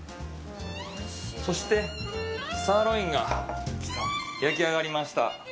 そして、サーロインが焼き上がりました。